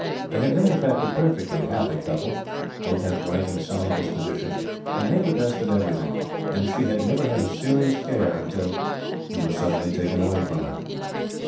They had been, in fact, a perfectly happy couple both had bright and sunny dispositions, and made the best of everything; and she had never had a serious care, until he was suddenly taken away from her.